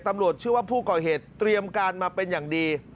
ตำรวจเชื่อว่าผู้ก่อเหตุเตรียมการมาเป็นอย่างดี